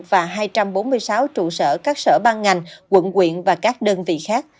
và hai trăm bốn mươi sáu trụ sở các sở ban ngành quận quyện và các đơn vị khác